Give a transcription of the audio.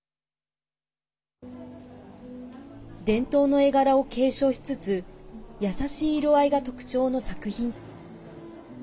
伝統の絵柄を継承しつつ優しい色合いが特徴の作品。